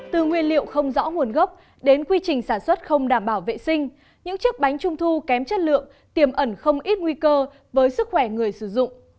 từ nguyên liệu không rõ nguồn gốc đến quy trình sản xuất không đảm bảo vệ sinh những chiếc bánh trung thu kém chất lượng tiềm ẩn không ít nguy cơ với sức khỏe người sử dụng